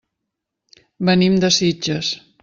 Venim de Sitges.